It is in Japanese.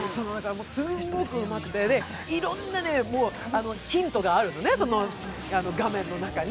すんごくうまくて、いろいろなヒントがあるのね、画面の中に。